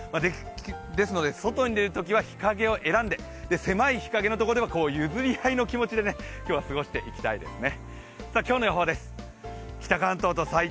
ですので外に出るときは日陰を選んで狭い日陰のところでは譲り合いの気持ちで今日は過ごしていきたいですね。